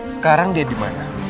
sekarang dia di mana